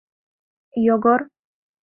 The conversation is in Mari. Йогор.